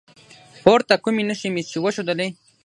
پورته کومې نښې مې چې وښودلي